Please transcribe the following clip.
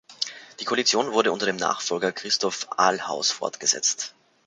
Die Koalition wurde unter dem Nachfolger Christoph Ahlhaus fortgesetzt.